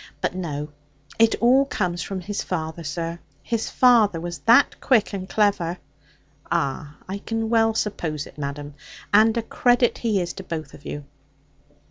But no; it all comes from his father, sir. His father was that quick and clever ' 'Ah, I can well suppose it, madam. And a credit he is to both of you.